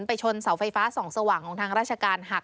ชนเสาไฟฟ้าส่องสว่างของทางราชการหัก